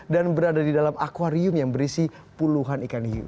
dan berada di dalam akwarium yang berisi puluhan ikan hiu